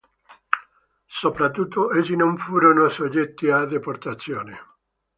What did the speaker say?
Soprattutto, essi non furono soggetti a deportazione.